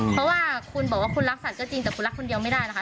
เพราะว่าคุณบอกว่าคุณรักสัตว์จริงแต่คุณรักคนเดียวไม่ได้นะคะ